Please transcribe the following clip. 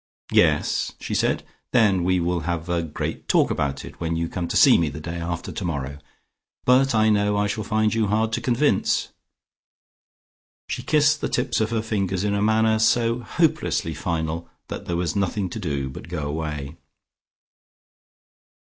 "Yes?" she said. "Then we will have a great talk about it, when you come to see me the day after tomorrow. But I know I shall find you hard to convince." She kissed the tips of her fingers in a manner so hopelessly final that there was nothing to do but go away.